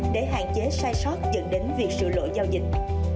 để hạn chế sai sót dẫn đến việc sửa lỗi giao dịch